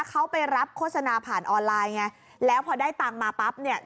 เขาไปรับโฆษณาผ่านออนไลน์ไงแล้วพอได้ตังค์มาปั๊บเนี่ย